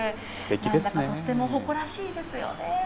なんだかとっても誇らしいですよね。